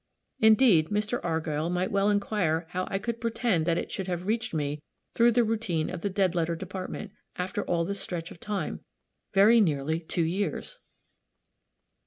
Indeed, Mr. Argyll might well inquire how I could pretend that it should have reached me through the routine of the dead letter department, after all this stretch of time very nearly two years!